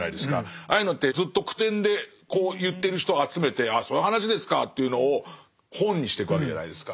ああいうのってずっと口伝で言ってる人を集めてああそういう話ですかというのを本にしてくわけじゃないですか。